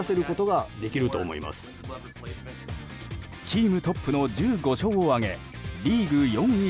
チームトップの１５勝を挙げリーグ４位